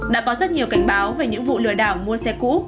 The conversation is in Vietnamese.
đã có rất nhiều cảnh báo về những vụ lừa đảo mua xe cũ